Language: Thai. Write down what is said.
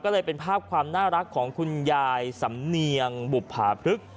ก็เลยเป็นภาพความน่ารักของคุณยายสำเนียงบุภาพรึก